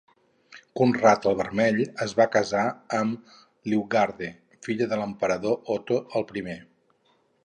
Conrad el Vermell es va casar amb Liutgarde, filla de l'emperador Otó el Primer.